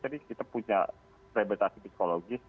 jadi kita punya rehabilitasi psikologis